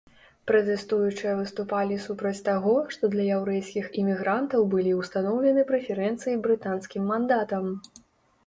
Пратэстуючыя выступалі супраць таго, што для яўрэйскіх імігрантаў былі ўстаноўлены прэферэнцыі брытанскім мандатам.